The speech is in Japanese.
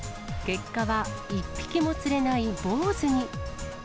結果は一匹も釣れないボウズに。